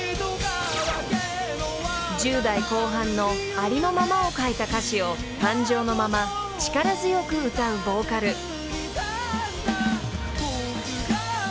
［１０代後半のありのままを書いた歌詞を感情のまま力強く歌うボーカル］